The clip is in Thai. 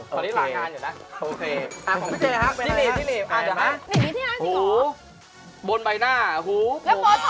ตอนนี้หลากงานอยู่เพราะเว้ย